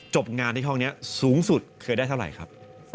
จบงานที่ห้องนี้สูงสุดเคยได้เท่าไหร่ครับ